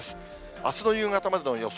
あすの夕方までの予想